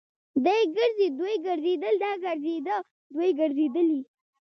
دی ګرځي. دوی ګرځيدل. دا ګرځيده. دوی ګرځېدلې.